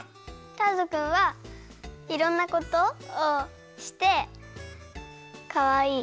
ターズくんはいろんなことをしてかわいい。